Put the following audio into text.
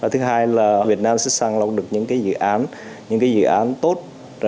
thứ hai là việt nam sẽ sáng lọc được những cái dự án những cái dự án tốt